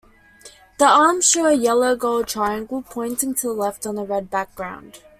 The arms show a yellow-gold triangle pointing to the left on a red background.